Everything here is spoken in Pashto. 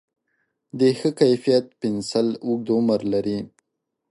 د ښه کیفیت پنسل اوږد عمر لري.